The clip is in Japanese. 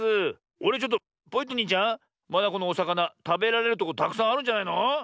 あれちょっとポイットニーちゃんまだこのおさかなたべられるとこたくさんあるんじゃないの？